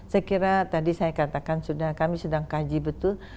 saya kira tadi saya katakan kami sudah kaji betul